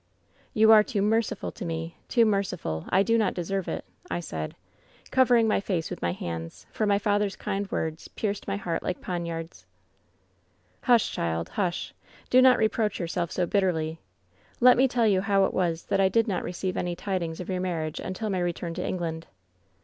" 'You are too merciful to me — ^too merciful. I do not deserve it,' I said, covering my face with my hands, for my father's kind words pierced my heart like poinards. " 'Hush, child ; hush. Do not reproach yourself so bitterly. Let me tell you how it was that I did not receive any tidings of your marriage until my return to England.'